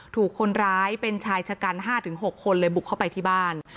ถูกคนร้ายเป็นชายชะกัน๕๖คนเลยบุกเข้าไปที่บ้าน